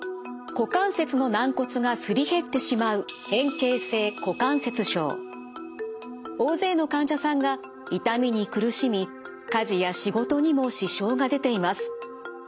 股関節の軟骨がすり減ってしまう大勢の患者さんが痛みに苦しみ家事や仕事にも支障が出ています。